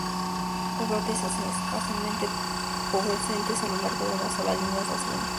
Los brotes escasamente pubescentes a lo largo de una sola línea o dos líneas.